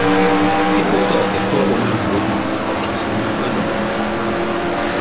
Die Punkte aus der Vorrunde wurden in die Aufstiegsrunde übernommen.